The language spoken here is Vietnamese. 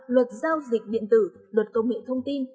luật giao dịch điện tử luật công nghệ thông tin